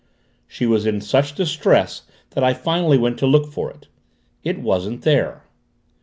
"She was in such distress that I finally went to look for it. It wasn't there."